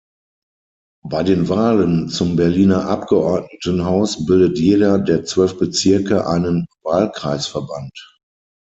Bei den Wahlen zum Berliner Abgeordnetenhaus bildet jeder der zwölf Bezirke einen "Wahlkreisverband.